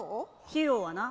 費用はな